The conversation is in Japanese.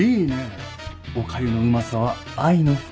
おかゆのうまさは愛の深さ。